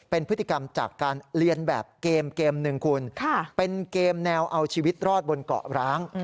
เป็นพฤติกรรมจากการเรียนแบบเกมเกมหนึ่งคุณเป็นเกมแนวเอาชีวิตรอดบนเกาะร้าง